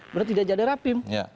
berarti tidak jadi rapim